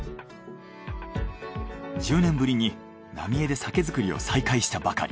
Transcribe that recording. １０年ぶりに浪江で酒造りを再開したばかり。